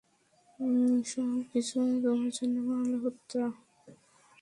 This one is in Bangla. এই সব কিছু তোমার জন্য মালহোত্রা।